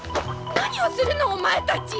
何をするのお前たち！